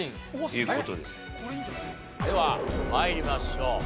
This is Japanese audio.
では参りましょう。